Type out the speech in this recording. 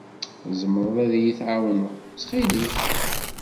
Tzemreḍ ad iyi-tɛawneḍ, ttxil-k?